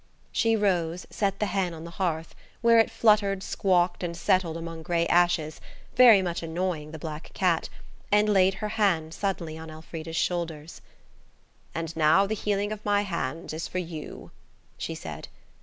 She rose, set the hen on the hearth, where it fluttered, squawked, and settled among grey ashes, very much annoying the black cat, and laid her hands suddenly on Elfrida's shoulders. "And now the healing of my hands is for you," she said.